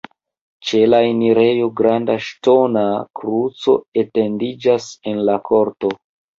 Ĉe la enirejo granda ŝtona kruco etendiĝas en la korto.